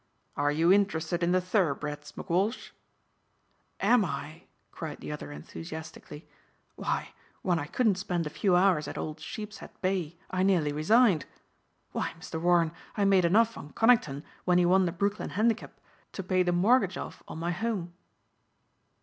"Are you interested in the thoroughbreds, McWalsh?" "Am I?" cried the other enthusiastically. "Why when I couldn't spend a few hours at old Sheepshead Bay I nearly resigned. Why, Mr. Warren, I made enough on Conington when he won the Brooklyn Handicap to pay the mortgage off on my home!"